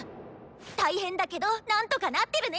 大変だけど何とかなってるね！